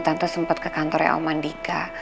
tante sempat ke kantornya om mandika